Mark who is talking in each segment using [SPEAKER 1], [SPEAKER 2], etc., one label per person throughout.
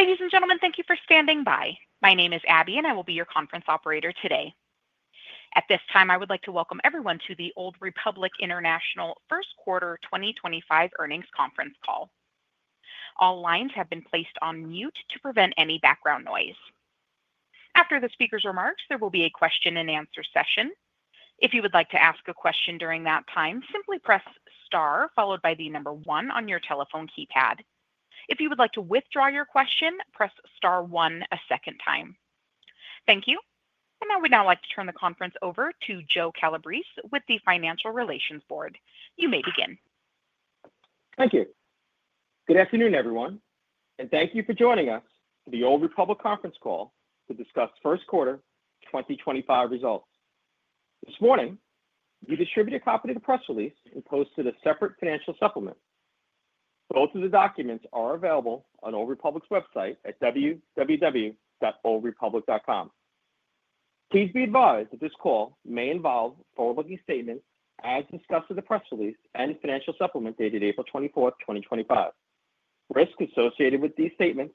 [SPEAKER 1] Ladies and gentlemen, thank you for standing by. My name is Abby, and I will be your conference operator today. At this time, I would like to welcome everyone to the Old Republic International first quarter 2025 earnings conference call. All lines have been placed on mute to prevent any background noise. After the speaker's remarks, there will be a question-and-answer session. If you would like to ask a question during that time, simply press star, followed by the number one on your telephone keypad. If you would like to withdraw your question, press star one a second time. Thank you. I would now like to turn the conference over to Joe Calabrese with the Financial Relations Board. You may begin.
[SPEAKER 2] Thank you. Good afternoon, everyone, and thank you for joining us for the Old Republic's conference call to discuss first quarter 2025 results. This morning, we distributed a copy of the press release and posted a separate financial supplement. Both of the documents are available on Old Republic's website at www.oldrepublic.com. Please be advised that this call may involve forward-looking statements as discussed in the press release and the financial supplement dated April 24, 2025. Risks associated with these statements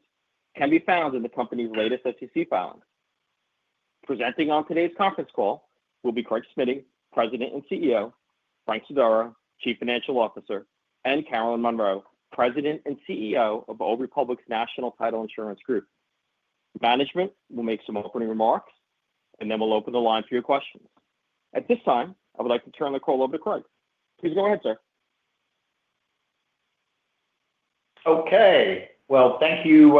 [SPEAKER 2] can be found in the company's latest SEC filings. Presenting on today's conference call will be Craig Smiddy, President and CEO, Frank Sodaro, Chief Financial Officer, and Carolyn Monroe, President and CEO of Old Republic's National Title Insurance Group. Management will make some opening remarks, and then we'll open the line for your questions. At this time, I would like to turn the call over to Craig. Please go ahead, sir.
[SPEAKER 3] Okay. Thank you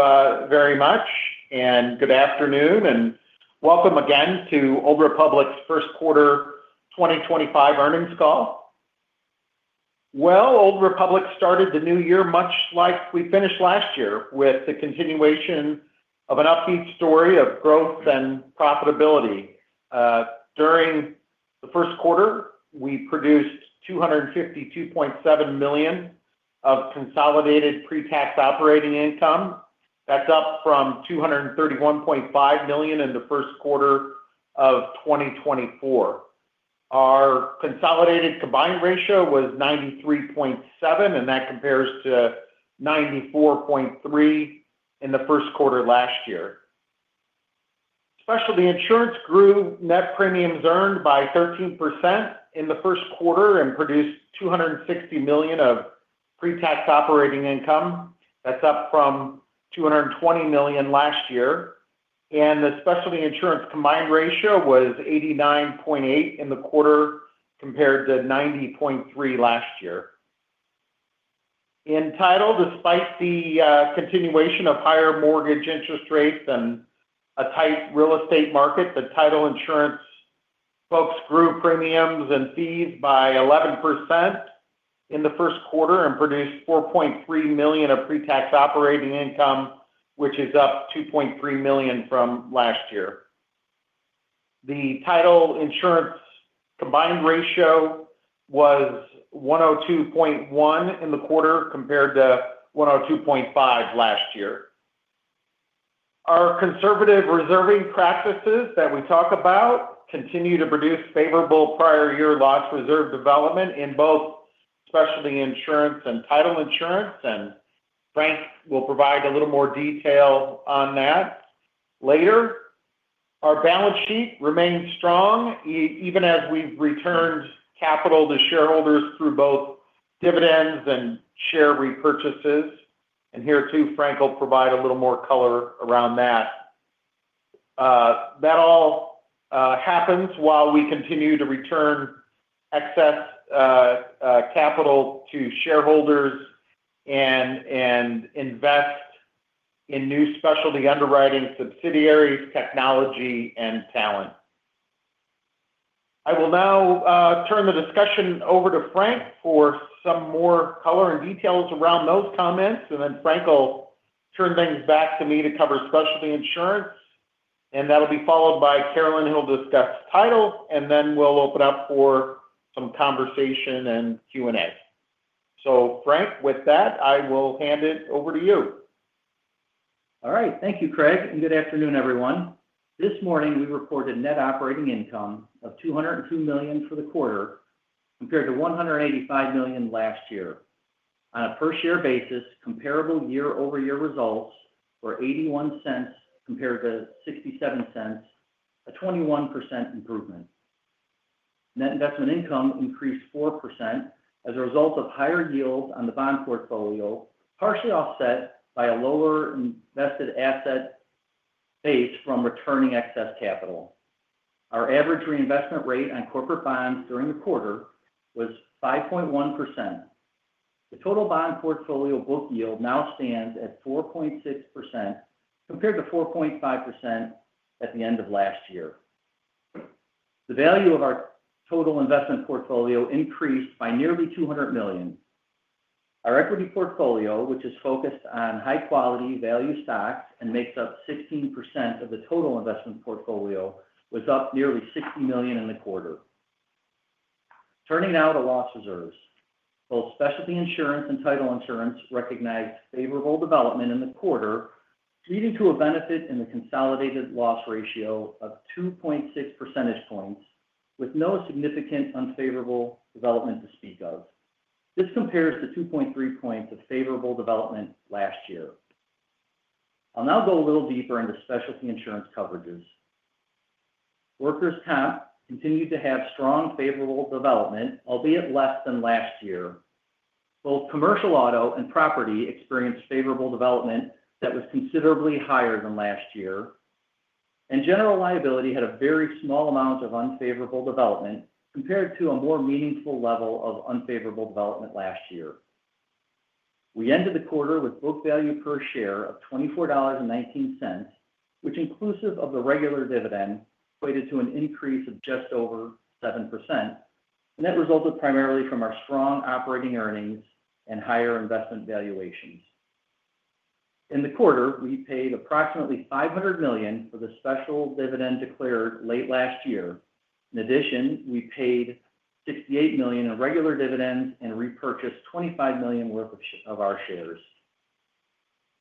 [SPEAKER 3] very much, and good afternoon, and welcome again to Old Republic's first quarter 2025 earnings call. Old Republic started the new year much like we finished last year with the continuation of an upbeat story of growth and profitability. During the first quarter, we produced $252.7 million of consolidated pre-tax operating income. That's up from $231.5 million in the first quarter of 2024. Our consolidated combined ratio was 93.7, and that compares to 94.3 in the first quarter last year. Specialty insurance grew net premiums earned by 13% in the first quarter and produced $260 million of pre-tax operating income. That's up from $220 million last year. The specialty insurance combined ratio was 89.8 in the quarter compared to 90.3 last year. In title, despite the continuation of higher mortgage interest rates and a tight real estate market, the title insurance folks grew premiums and fees by 11% in the first quarter and produced $4.3 million of pre-tax operating income, which is up $2.3 million from last year. The title insurance combined ratio was 102.1 in the quarter compared to 102.5 last year. Our conservative reserving practices that we talk about continue to produce favorable prior-year loss reserve development in both specialty insurance and title insurance, and Frank will provide a little more detail on that later. Our balance sheet remains strong even as we've returned capital to shareholders through both dividends and share repurchases. Here, too, Frank will provide a little more color around that. That all happens while we continue to return excess capital to shareholders and invest in new specialty underwriting subsidiaries, technology, and talent. I will now turn the discussion over to Frank for some more color and details around those comments, and then Frank will turn things back to me to cover specialty insurance, and that will be followed by Carolyn, who will discuss title, and then we will open up for some conversation and Q&A. Frank, with that, I will hand it over to you.
[SPEAKER 4] All right. Thank you, Craig, and good afternoon, everyone. This morning, we reported net operating income of $202 million for the quarter compared to $185 million last year. On a per-share basis, comparable year-over-year results were $0.81 compared to $0.67, a 21% improvement. Net investment income increased 4% as a result of higher yields on the bond portfolio, partially offset by a lower invested asset base from returning excess capital. Our average reinvestment rate on corporate bonds during the quarter was 5.1%. The total bond portfolio book yield now stands at 4.6% compared to 4.5% at the end of last year. The value of our total investment portfolio increased by nearly $200 million. Our equity portfolio, which is focused on high-quality value stocks and makes up 16% of the total investment portfolio, was up nearly $60 million in the quarter. Turning now to loss reserves, both specialty insurance and title insurance recognized favorable development in the quarter, leading to a benefit in the consolidated loss ratio of 2.6 percentage points, with no significant unfavorable development to speak of. This compares to 2.3 percentage points of favorable development last year. I'll now go a little deeper into specialty insurance coverages. Workers' Comp continued to have strong favorable development, albeit less than last year. Both commercial auto and property experienced favorable development that was considerably higher than last year, and general liability had a very small amount of unfavorable development compared to a more meaningful level of unfavorable development last year. We ended the quarter with book value per share of $24.19, which, inclusive of the regular dividend, equated to an increase of just over 7%, and that resulted primarily from our strong operating earnings and higher investment valuations. In the quarter, we paid approximately $500 million for the special dividend declared late last year. In addition, we paid $68 million in regular dividends and repurchased $25 million worth of our shares.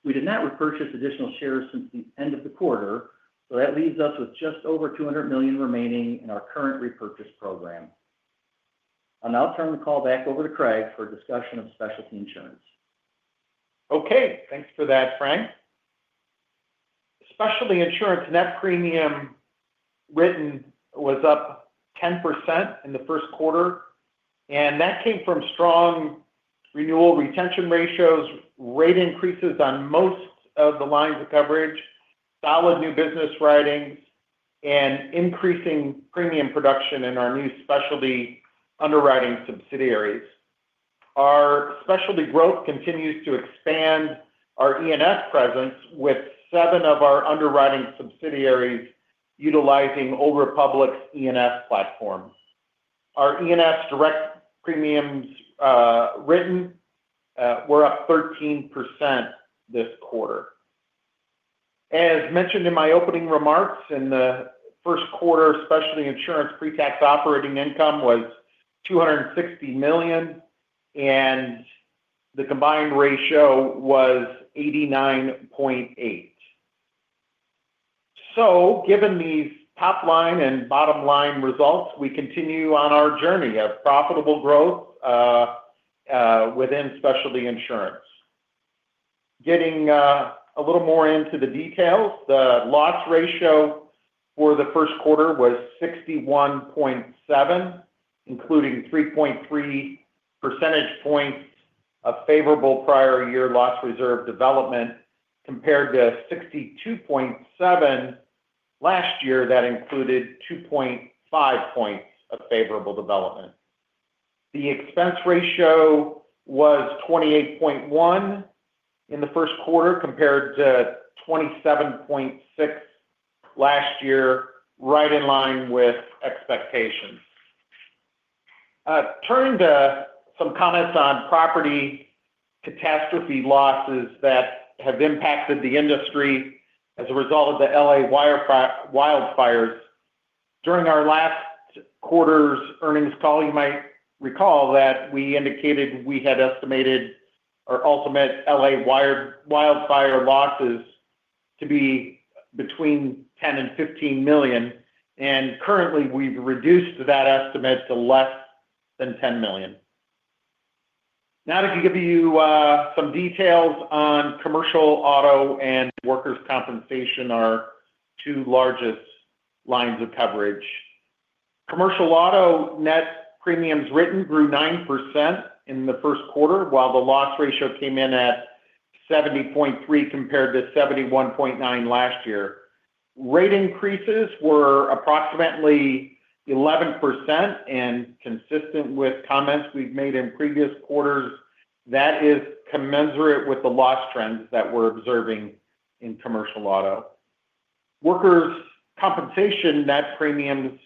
[SPEAKER 4] We did not repurchase additional shares since the end of the quarter, so that leaves us with just over $200 million remaining in our current repurchase program. I'll now turn the call back over to Craig for a discussion of specialty insurance.
[SPEAKER 3] Okay. Thanks for that, Frank. Specialty insurance net premium written was up 10% in the first quarter, and that came from strong renewal retention ratios, rate increases on most of the lines of coverage, solid new business writings, and increasing premium production in our new specialty underwriting subsidiaries. Our specialty growth continues to expand our E&S presence with seven of our underwriting subsidiaries utilizing Old Republic's E&S platform. Our E&S direct premiums written were up 13% this quarter. As mentioned in my opening remarks, in the first quarter, specialty insurance pre-tax operating income was $260 million, and the combined ratio was 89.8. Given these top-line and bottom-line results, we continue on our journey of profitable growth within specialty insurance. Getting a little more into the details, the loss ratio for the first quarter was 61.7%, including 3.3 percentage points of favorable prior-year loss reserve development, compared to 62.7% last year that included 2.5 percentage points of favorable development. The expense ratio was 28.1% in the first quarter compared to 27.6% last year, right in line with expectations. Turning to some comments on property catastrophe losses that have impacted the industry as a result of the Los Angeles wildfires. During our last quarter's earnings call, you might recall that we indicated we had estimated our ultimate Los Angeles wildfire losses to be between $10 million and $15 million, and currently, we've reduced that estimate to less than $10 million. Now, to give you some details on commercial auto and workers' compensation, our two largest lines of coverage. Commercial auto net premiums written grew 9% in the first quarter, while the loss ratio came in at 70.3 compared to 71.9 last year. Rate increases were approximately 11% and consistent with comments we've made in previous quarters. That is commensurate with the loss trends that we're observing in commercial auto. Workers' compensation net premiums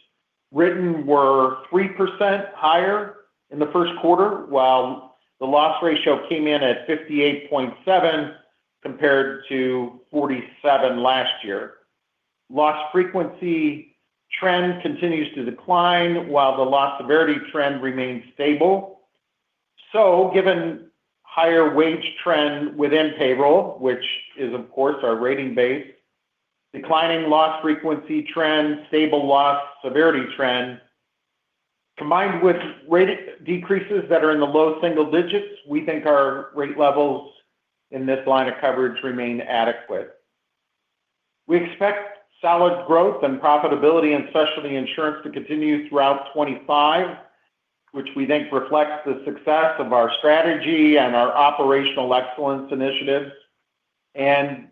[SPEAKER 3] written were 3% higher in the first quarter, while the loss ratio came in at 58.7 compared to 47 last year. Loss frequency trend continues to decline, while the loss severity trend remains stable. Given higher wage trend within payroll, which is, of course, our rating base, declining loss frequency trend, stable loss severity trend, combined with rate decreases that are in the low single digits, we think our rate levels in this line of coverage remain adequate. We expect solid growth and profitability in specialty insurance to continue throughout 2025, which we think reflects the success of our strategy and our operational excellence initiatives.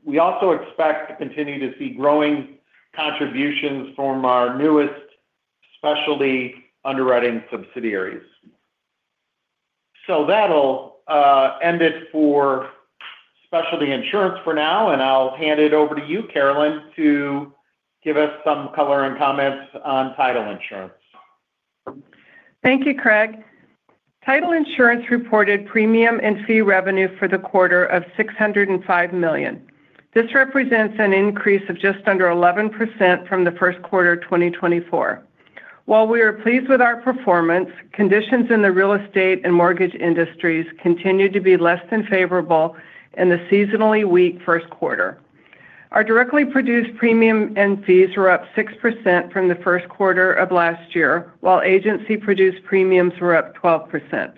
[SPEAKER 3] We also expect to continue to see growing contributions from our newest specialty underwriting subsidiaries. That will end it for specialty insurance for now, and I'll hand it over to you, Carolyn, to give us some color and comments on title insurance.
[SPEAKER 5] Thank you, Craig. Title insurance reported premium and fee revenue for the quarter of $605 million. This represents an increase of just under 11% from the first quarter of 2024. While we are pleased with our performance, conditions in the real estate and mortgage industries continue to be less than favorable in the seasonally weak first quarter. Our directly produced premium and fees were up 6% from the first quarter of last year, while agency-produced premiums were up 12%.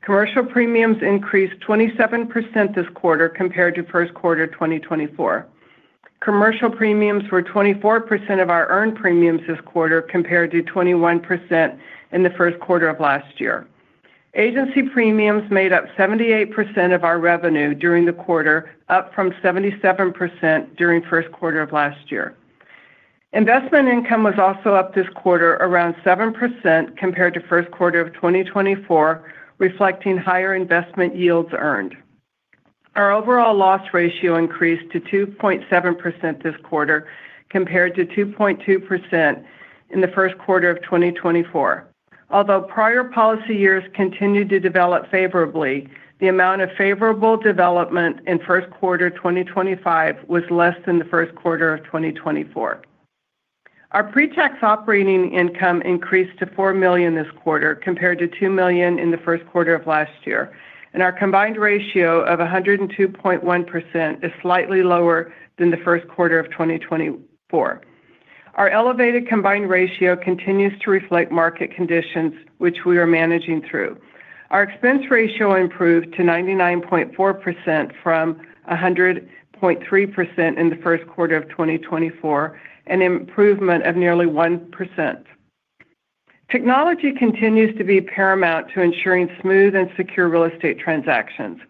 [SPEAKER 5] Commercial premiums increased 27% this quarter compared to first quarter 2024. Commercial premiums were 24% of our earned premiums this quarter compared to 21% in the first quarter of last year. Agency premiums made up 78% of our revenue during the quarter, up from 77% during first quarter of last year. Investment income was also up this quarter around 7% compared to first quarter of 2024, reflecting higher investment yields earned. Our overall loss ratio increased to 2.7% this quarter compared to 2.2% in the first quarter of 2024. Although prior policy years continued to develop favorably, the amount of favorable development in first quarter 2025 was less than the first quarter of 2024. Our pre-tax operating income increased to $4 million this quarter compared to $2 million in the first quarter of last year, and our combined ratio of 102.1% is slightly lower than the first quarter of 2024. Our elevated combined ratio continues to reflect market conditions, which we are managing through. Our expense ratio improved to 99.4% from 100.3% in the first quarter of 2024, an improvement of nearly 1%. Technology continues to be paramount to ensuring smooth and secure real estate transactions.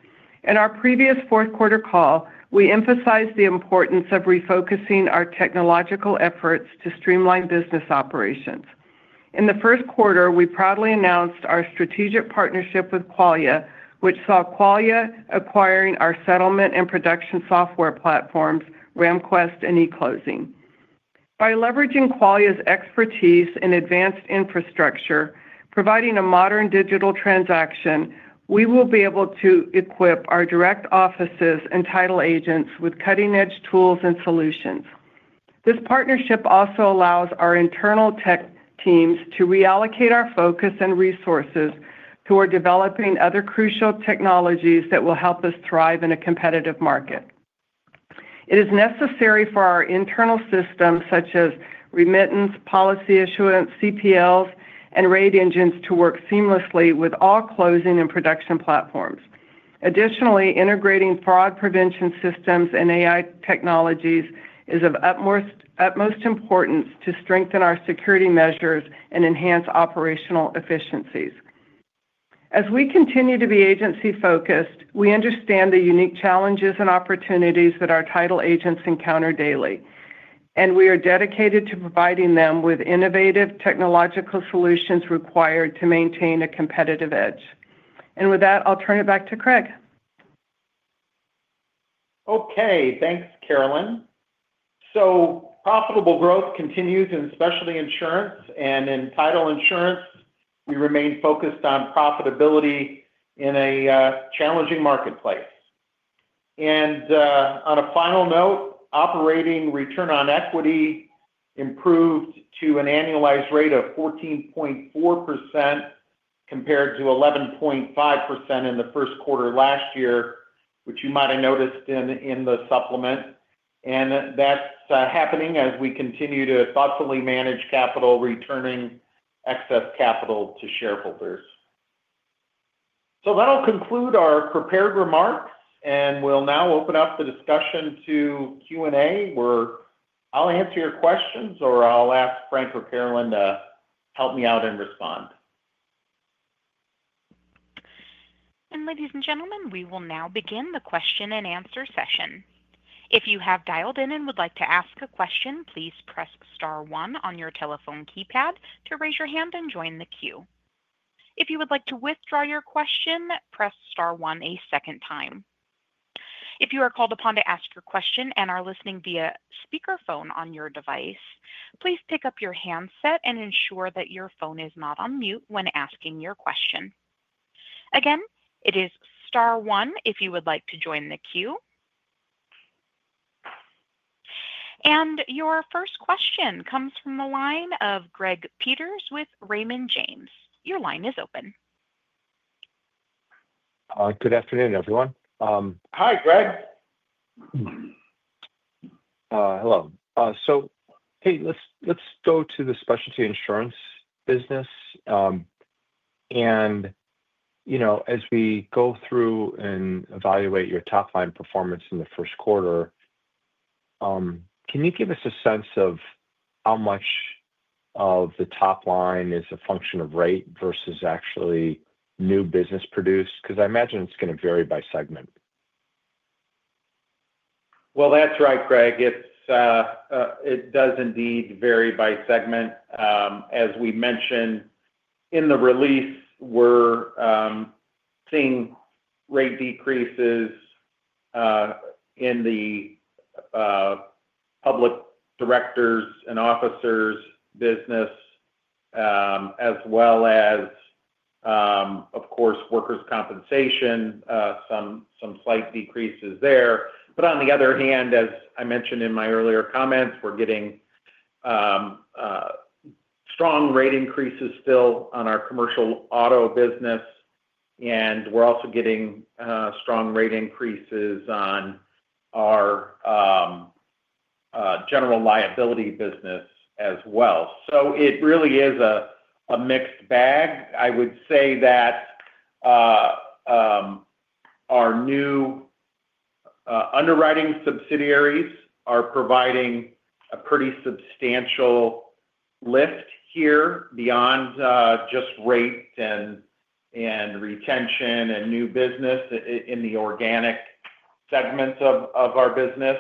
[SPEAKER 5] In our previous fourth-quarter call, we emphasized the importance of refocusing our technological efforts to streamline business operations. In the first quarter, we proudly announced our strategic partnership with Qualia, which saw Qualia acquiring our settlement and production software platforms, RamQuest and E-Closing. By leveraging Qualia's expertise in advanced infrastructure, providing a modern digital transaction, we will be able to equip our direct offices and title agents with cutting-edge tools and solutions. This partnership also allows our internal tech teams to reallocate our focus and resources toward developing other crucial technologies that will help us thrive in a competitive market. It is necessary for our internal systems, such as remittance, policy issuance, CPLs, and rate engines, to work seamlessly with all closing and production platforms. Additionally, integrating fraud prevention systems and AI technologies is of utmost importance to strengthen our security measures and enhance operational efficiencies. As we continue to be agency-focused, we understand the unique challenges and opportunities that our title agents encounter daily, and we are dedicated to providing them with innovative technological solutions required to maintain a competitive edge. With that, I'll turn it back to Craig.
[SPEAKER 3] Okay. Thanks, Carolyn. Profitable growth continues in specialty insurance, and in title insurance, we remain focused on profitability in a challenging marketplace. On a final note, operating return on equity improved to an annualized rate of 14.4% compared to 11.5% in the first quarter last year, which you might have noticed in the supplement. That is happening as we continue to thoughtfully manage capital, returning excess capital to shareholders. That will conclude our prepared remarks, and we will now open up the discussion to Q&A, where I will answer your questions or I will ask Frank or Carolyn to help me out and respond.
[SPEAKER 1] Ladies and gentlemen, we will now begin the question-and-answer session. If you have dialed in and would like to ask a question, please press star one on your telephone keypad to raise your hand and join the queue. If you would like to withdraw your question, press star one a second time. If you are called upon to ask your question and are listening via speakerphone on your device, please pick up your handset and ensure that your phone is not on mute when asking your question. Again, it is star one if you would like to join the queue. Your first question comes from the line of Greg Peters with Raymond James. Your line is open.
[SPEAKER 6] Good afternoon, everyone.
[SPEAKER 3] Hi, Greg.
[SPEAKER 6] Hello. Hey, let's go to the specialty insurance business. As we go through and evaluate your top-line performance in the first quarter, can you give us a sense of how much of the top-line is a function of rate versus actually new business produced? I imagine it's going to vary by segment.
[SPEAKER 3] That's right, Greg. It does indeed vary by segment. As we mentioned in the release, we're seeing rate decreases in the public directors and officers business, as well as, of course, workers' compensation, some slight decreases there. On the other hand, as I mentioned in my earlier comments, we're getting strong rate increases still on our commercial auto business, and we're also getting strong rate increases on our general liability business as well. It really is a mixed bag. I would say that our new underwriting subsidiaries are providing a pretty substantial lift here beyond just rate and retention and new business in the organic segments of our business.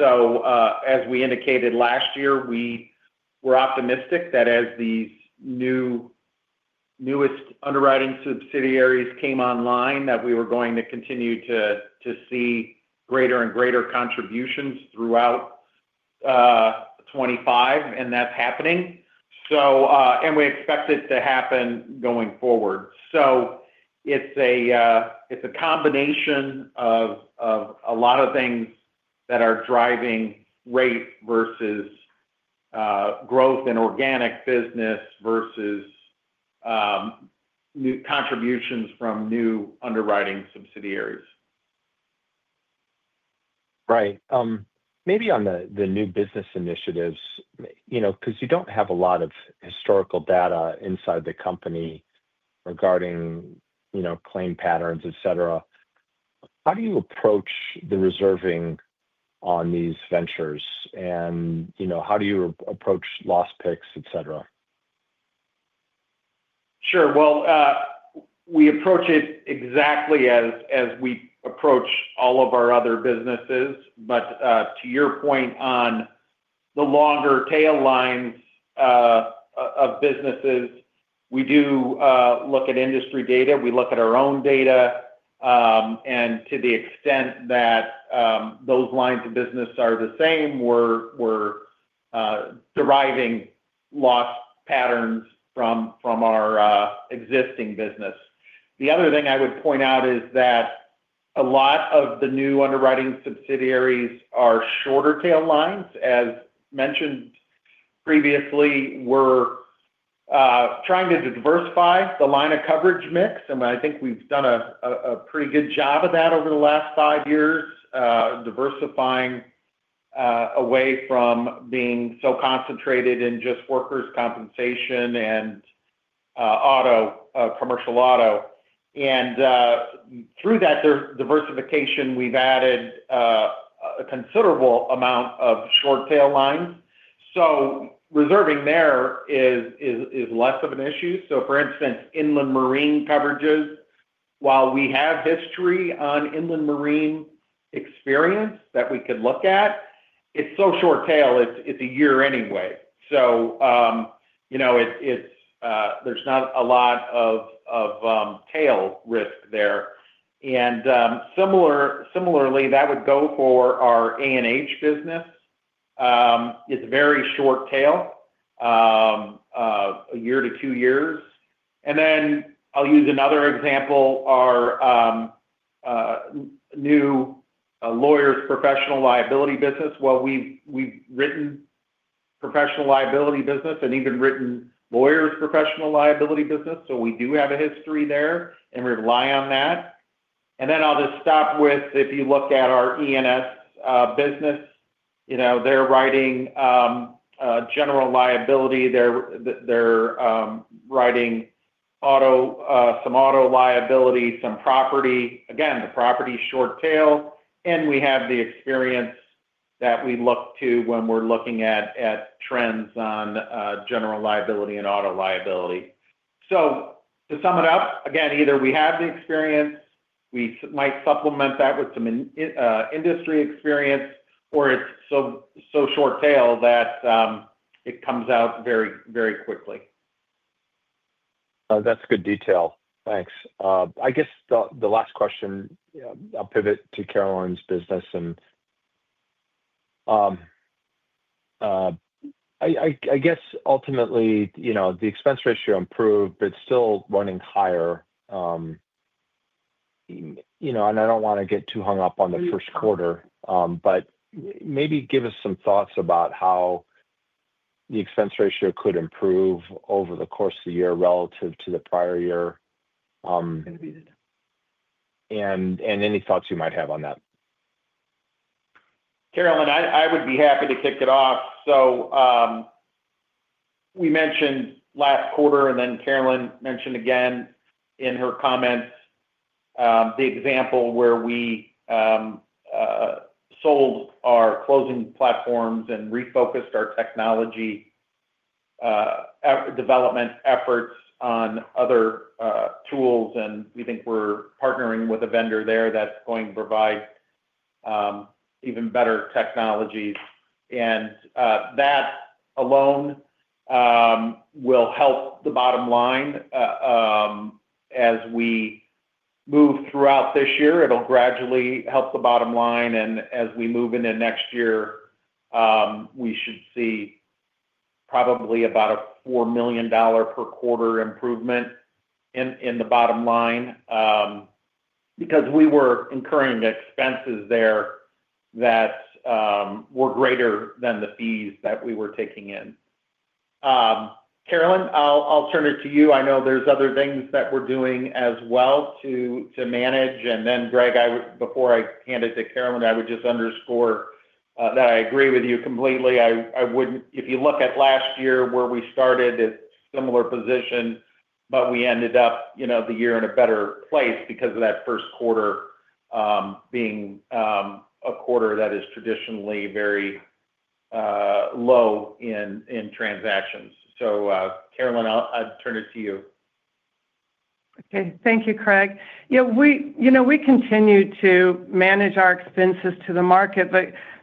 [SPEAKER 3] As we indicated last year, we were optimistic that as these newest underwriting subsidiaries came online, that we were going to continue to see greater and greater contributions throughout 2025, and that's happening. We expect it to happen going forward. It is a combination of a lot of things that are driving rate versus growth in organic business versus contributions from new underwriting subsidiaries.
[SPEAKER 6] Right. Maybe on the new business initiatives, because you do not have a lot of historical data inside the company regarding claim patterns, etc., how do you approach the reserving on these ventures, and how do you approach loss picks, etc.?
[SPEAKER 3] Sure. We approach it exactly as we approach all of our other businesses. To your point on the longer tail lines of businesses, we do look at industry data. We look at our own data. To the extent that those lines of business are the same, we are deriving loss patterns from our existing business. The other thing I would point out is that a lot of the new underwriting subsidiaries are shorter tail lines. As mentioned previously, we are trying to diversify the line of coverage mix, and I think we have done a pretty good job of that over the last five years, diversifying away from being so concentrated in just workers' compensation and commercial auto. Through that diversification, we have added a considerable amount of short tail lines. Reserving there is less of an issue. For instance, Inland Marine coverages, while we have history on Inland Marine experience that we could look at, it's so short tail, it's a year anyway. There's not a lot of tail risk there. Similarly, that would go for our A&H business. It's very short tail, a year to two years. I'll use another example, our new lawyers' professional liability business. We've written professional liability business and even written lawyers' professional liability business. We do have a history there, and we rely on that. I'll just stop with, if you look at our E&S business, they're writing general liability. They're writing some auto liability, some property. Again, the property's short tail, and we have the experience that we look to when we're looking at trends on general liability and auto liability. To sum it up, again, either we have the experience, we might supplement that with some industry experience, or it's so short tail that it comes out very, very quickly.
[SPEAKER 6] That's good detail. Thanks. I guess the last question, I'll pivot to Carolyn's business. I guess ultimately, the expense ratio improved, but it's still running higher. I don't want to get too hung up on the first quarter, but maybe give us some thoughts about how the expense ratio could improve over the course of the year relative to the prior year. Any thoughts you might have on that?
[SPEAKER 3] Carolyn, I would be happy to kick it off. We mentioned last quarter, and then Carolyn mentioned again in her comments the example where we sold our closing platforms and refocused our technology development efforts on other tools. We think we're partnering with a vendor there that's going to provide even better technologies. That alone will help the bottom line as we move throughout this year. It'll gradually help the bottom line. As we move into next year, we should see probably about a $4 million per quarter improvement in the bottom line because we were incurring expenses there that were greater than the fees that we were taking in. Carolyn, I'll turn it to you. I know there's other things that we're doing as well to manage. Greg, before I hand it to Carolyn, I would just underscore that I agree with you completely. If you look at last year where we started, it is a similar position, but we ended up the year in a better place because of that first quarter being a quarter that is traditionally very low in transactions. Carolyn, I'll turn it to you.
[SPEAKER 5] Okay. Thank you, Craig. Yeah, we continue to manage our expenses to the market.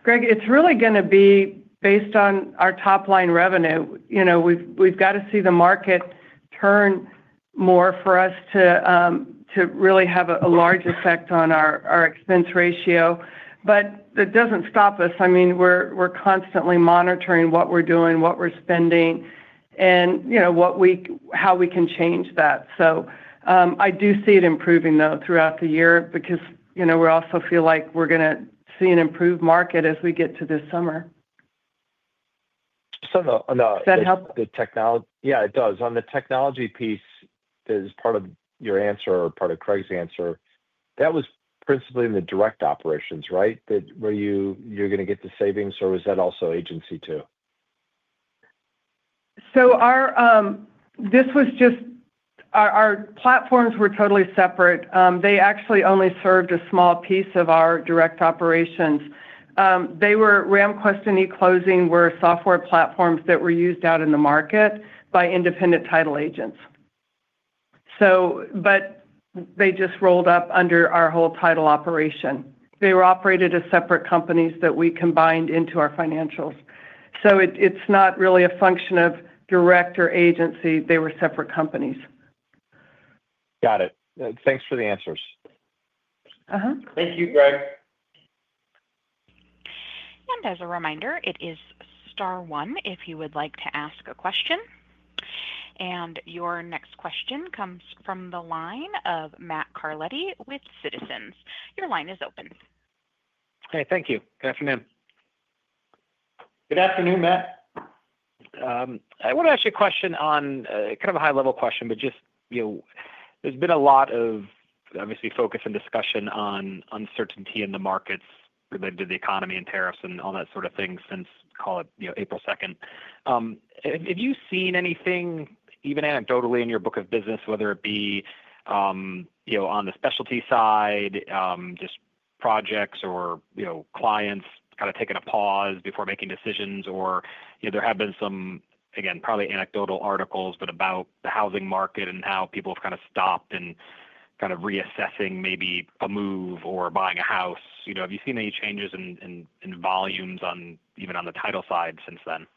[SPEAKER 5] Greg, it's really going to be based on our top-line revenue. We've got to see the market turn more for us to really have a large effect on our expense ratio. That doesn't stop us. I mean, we're constantly monitoring what we're doing, what we're spending, and how we can change that. I do see it improving, though, throughout the year because we also feel like we're going to see an improved market as we get to this summer.
[SPEAKER 6] On the.
[SPEAKER 5] Does that help?
[SPEAKER 6] Yeah, it does. On the technology piece, as part of your answer or part of Craig's answer, that was principally in the direct operations, right? Were you going to get the savings, or was that also agency too?
[SPEAKER 5] Our platforms were totally separate. They actually only served a small piece of our direct operations. RamQuest and E-Closing were software platforms that were used out in the market by independent title agents. They just rolled up under our whole title operation. They were operated as separate companies that we combined into our financials. It is not really a function of direct or agency. They were separate companies.
[SPEAKER 6] Got it. Thanks for the answers.
[SPEAKER 3] Thank you, Greg.
[SPEAKER 1] As a reminder, it is star one if you would like to ask a question. Your next question comes from the line of Matt Carletti with Citizens. Your line is open.
[SPEAKER 7] Okay. Thank you. Good afternoon.
[SPEAKER 3] Good afternoon, Matt.
[SPEAKER 7] I want to ask you a question on kind of a high-level question, but just there's been a lot of, obviously, focus and discussion on uncertainty in the markets related to the economy and tariffs and all that sort of thing since, call it, April 2nd. Have you seen anything, even anecdotally, in your book of business, whether it be on the specialty side, just projects or clients kind of taking a pause before making decisions? Or there have been some, again, probably anecdotal articles, but about the housing market and how people have kind of stopped and kind of reassessing maybe a move or buying a house. Have you seen any changes in volumes even on the title side since then?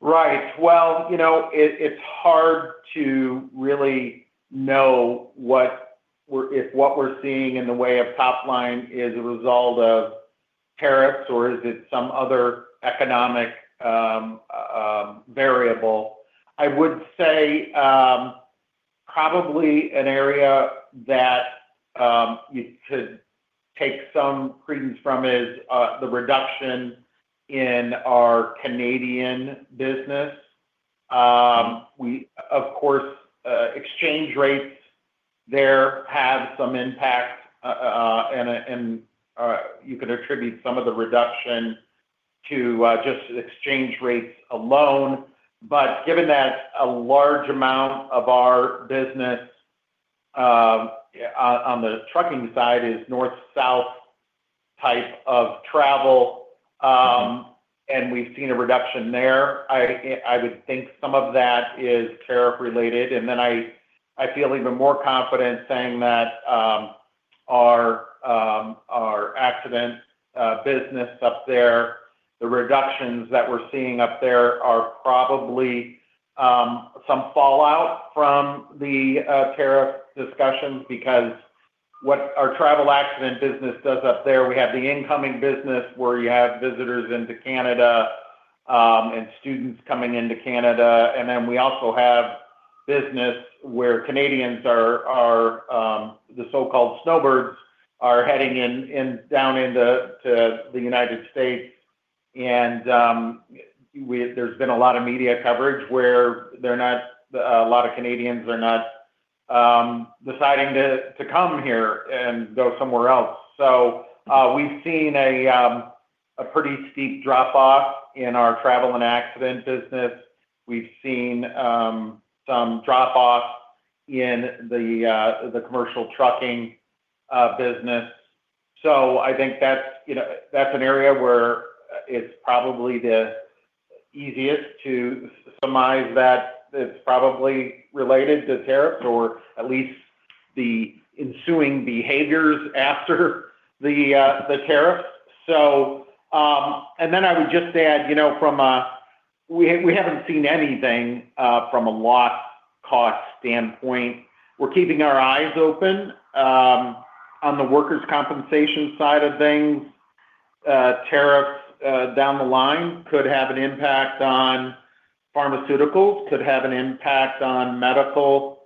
[SPEAKER 3] Right. It is hard to really know if what we are seeing in the way of top line is a result of tariffs or is it some other economic variable. I would say probably an area that you could take some credence from is the reduction in our Canadian business. Of course, exchange rates there have some impact, and you could attribute some of the reduction to just exchange rates alone. Given that a large amount of our business on the trucking side is north-south type of travel, and we have seen a reduction there, I would think some of that is tariff-related. I feel even more confident saying that our accident business up there, the reductions that we're seeing up there are probably some fallout from the tariff discussions because what our travel accident business does up there, we have the incoming business where you have visitors into Canada and students coming into Canada. We also have business where Canadians, the so-called snowbirds, are heading down into the United States. There's been a lot of media coverage where a lot of Canadians are not deciding to come here and go somewhere else. We've seen a pretty steep drop-off in our travel and accident business. We've seen some drop-off in the commercial trucking business. I think that's an area where it's probably the easiest to surmise that it's probably related to tariffs or at least the ensuing behaviors after the tariffs. I would just add from a we have not seen anything from a loss cost standpoint. We are keeping our eyes open on the workers' compensation side of things. Tariffs down the line could have an impact on pharmaceuticals, could have an impact on medical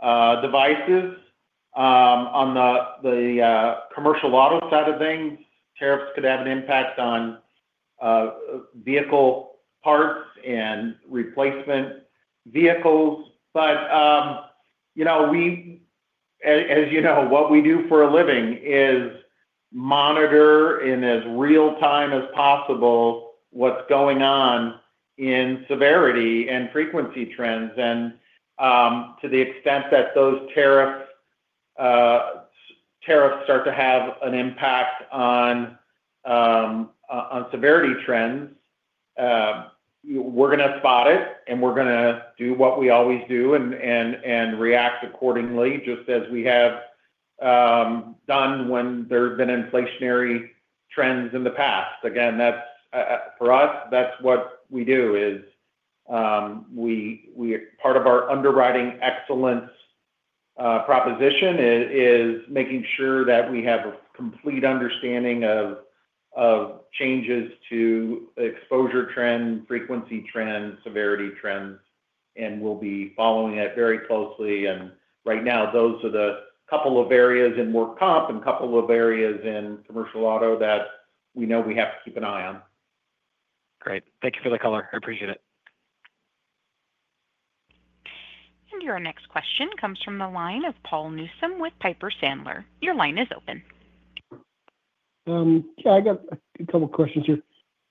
[SPEAKER 3] devices. On the commercial auto side of things, tariffs could have an impact on vehicle parts and replacement vehicles. As you know, what we do for a living is monitor in as real time as possible what is going on in severity and frequency trends. To the extent that those tariffs start to have an impact on severity trends, we are going to spot it, and we are going to do what we always do and react accordingly, just as we have done when there have been inflationary trends in the past. Again, for us, that's what we do as part of our underwriting excellence proposition is making sure that we have a complete understanding of changes to exposure trend, frequency trend, severity trends, and we'll be following it very closely. Right now, those are the couple of areas in work comp and a couple of areas in commercial auto that we know we have to keep an eye on.
[SPEAKER 7] Great. Thank you for the color. I appreciate it.
[SPEAKER 1] Your next question comes from the line of Paul Newsome with Piper Sandler. Your line is open.
[SPEAKER 8] Yeah, I got a couple of questions here.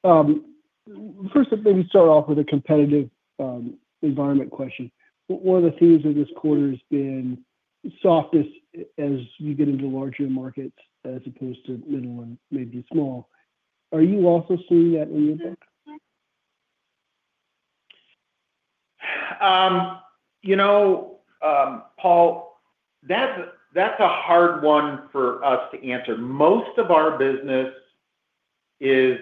[SPEAKER 8] First, let me start off with a competitive environment question. One of the themes of this quarter has been softness as you get into larger markets as opposed to middle and maybe small. Are you also seeing that in your book?
[SPEAKER 3] Paul, that's a hard one for us to answer. Most of our business is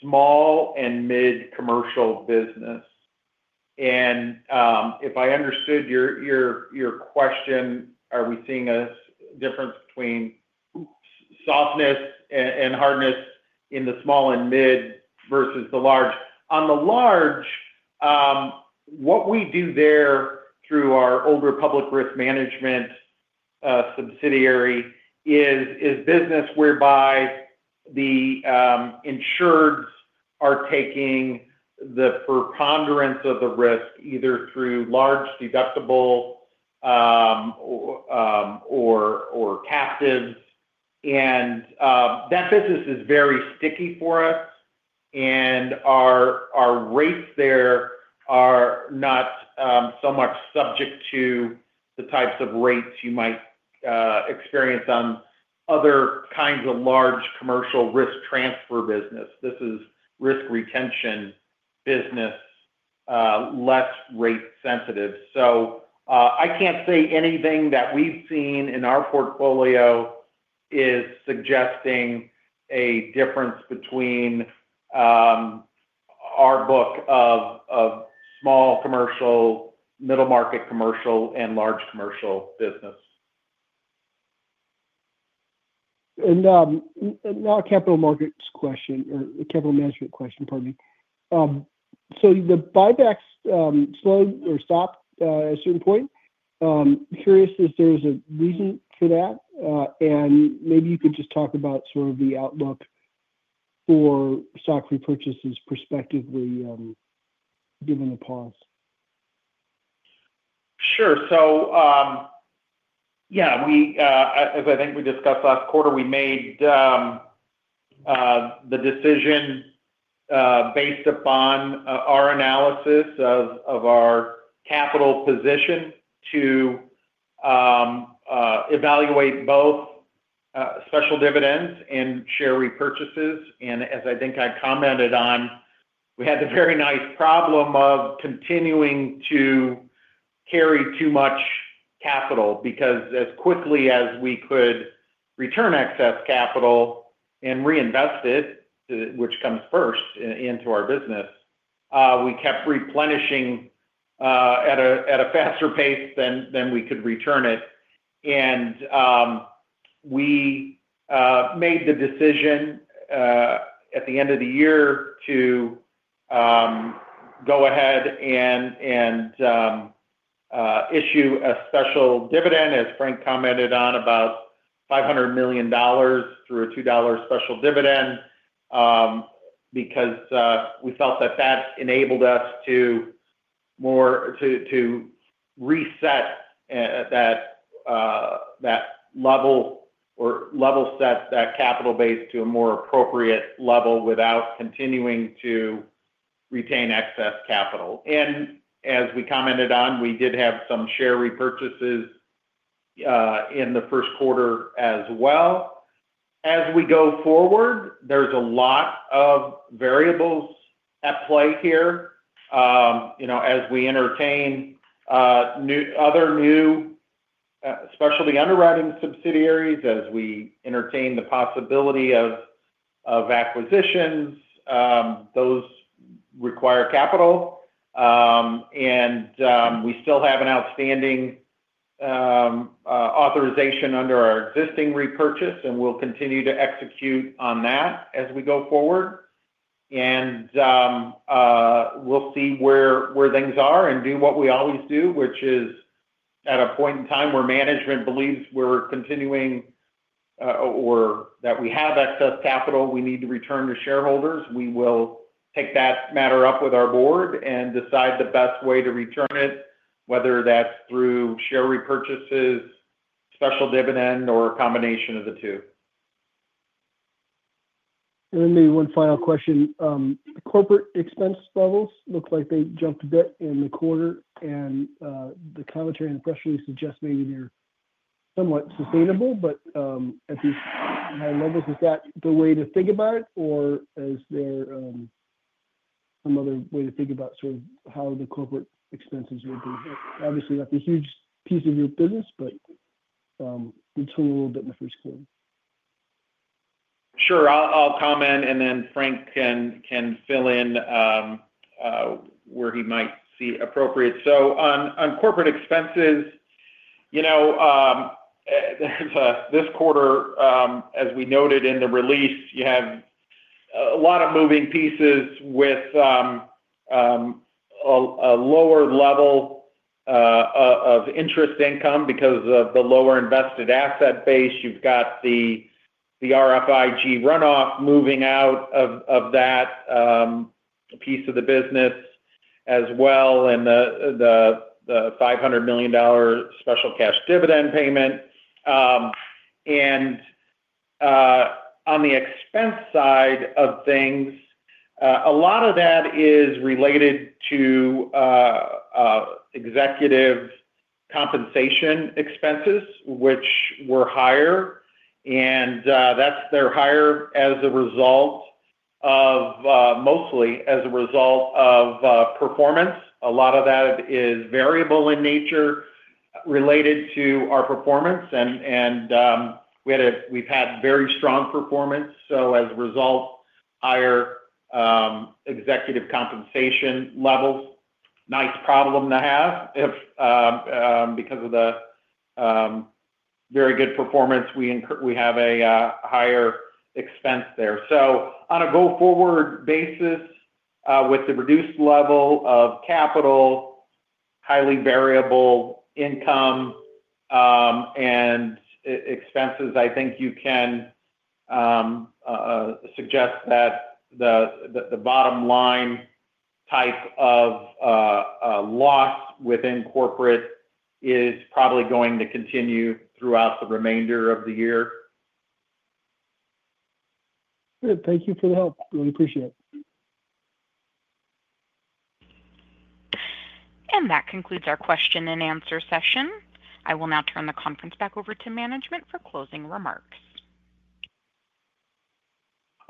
[SPEAKER 3] small and mid-commercial business. If I understood your question, are we seeing a difference between softness and hardness in the small and mid versus the large? On the large, what we do there through our Old Republic Risk Management subsidiary is business whereby the insureds are taking the preponderance of the risk either through large deductibles or captives. That business is very sticky for us. Our rates there are not so much subject to the types of rates you might experience on other kinds of large commercial risk transfer business. This is risk retention business, less rate sensitive. I can't say anything that we've seen in our portfolio is suggesting a difference between our book of small commercial, middle market commercial, and large commercial business.
[SPEAKER 8] A capital markets question or capital management question, pardon me. The buybacks slowed or stopped at a certain point. Curious if there was a reason for that. Maybe you could just talk about sort of the outlook for stock repurchases perspectively given the pause.
[SPEAKER 3] Sure. Yeah, as I think we discussed last quarter, we made the decision based upon our analysis of our capital position to evaluate both special dividends and share repurchases. As I think I commented on, we had the very nice problem of continuing to carry too much capital because as quickly as we could return excess capital and reinvest it, which comes first into our business, we kept replenishing at a faster pace than we could return it. We made the decision at the end of the year to go ahead and issue a special dividend, as Frank commented on, about $500 million through a $2 special dividend because we felt that that enabled us to reset that level or level set that capital base to a more appropriate level without continuing to retain excess capital. As we commented on, we did have some share repurchases in the first quarter as well. As we go forward, there are a lot of variables at play here. As we entertain other new specialty underwriting subsidiaries, as we entertain the possibility of acquisitions, those require capital. We still have an outstanding authorization under our existing repurchase, and we will continue to execute on that as we go forward. We will see where things are and do what we always do, which is at a point in time where management believes we are continuing or that we have excess capital, we need to return to shareholders. We will take that matter up with our board and decide the best way to return it, whether that is through share repurchases, special dividend, or a combination of the two.
[SPEAKER 8] Maybe one final question. Corporate expense levels look like they jumped a bit in the quarter. The commentary in the press release suggests maybe they are somewhat sustainable, but at these high levels, is that the way to think about it, or is there some other way to think about sort of how the corporate expenses will be? Obviously, not a huge piece of your business, but we have seen a little bit in the first quarter.
[SPEAKER 3] Sure. I'll comment, and then Frank can fill in where he might see appropriate. On corporate expenses, this quarter, as we noted in the release, you have a lot of moving pieces with a lower level of interest income because of the lower invested asset base. You have the RFIG Run-off moving out of that piece of the business as well and the $500 million special cash dividend payment. On the expense side of things, a lot of that is related to executive compensation expenses, which were higher. They are higher mostly as a result of performance. A lot of that is variable in nature related to our performance. We have had very strong performance. As a result, higher executive compensation levels, nice problem to have because of the very good performance. We have a higher expense there. On a go-forward basis, with the reduced level of capital, highly variable income and expenses, I think you can suggest that the bottom line type of loss within corporate is probably going to continue throughout the remainder of the year.
[SPEAKER 8] Good. Thank you for the help. Really appreciate it.
[SPEAKER 1] That concludes our question and answer session. I will now turn the conference back over to management for closing remarks.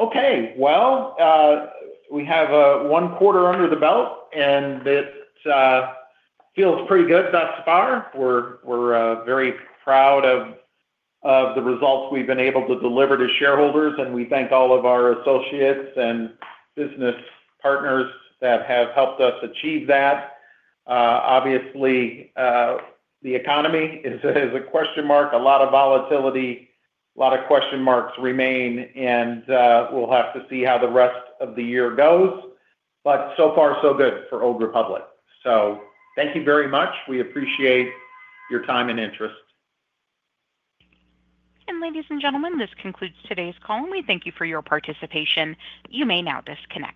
[SPEAKER 3] Okay. We have one quarter under the belt, and it feels pretty good thus far. We're very proud of the results we've been able to deliver to shareholders. We thank all of our associates and business partners that have helped us achieve that. Obviously, the economy is a question mark. A lot of volatility, a lot of question marks remain. We will have to see how the rest of the year goes. So far, so good for Old Republic. Thank you very much. We appreciate your time and interest.
[SPEAKER 1] Ladies and gentlemen, this concludes today's call, and we thank you for your participation. You may now disconnect.